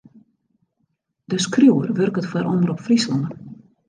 De skriuwer wurket foar Omrop Fryslân.